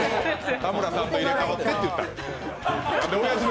田村さんと入れ代わってって言ったの。